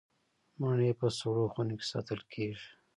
مڼې په سړو خونو کې ساتل کیږي.